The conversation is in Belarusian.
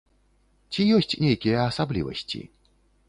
Ці ёсць нейкія асаблівасці?